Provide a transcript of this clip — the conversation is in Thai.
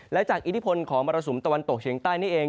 และจากอิทธิพลของมรสุมตะวันตกเฉียงใต้นี่เอง